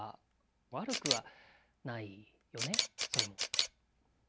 悪くはないよねそれも。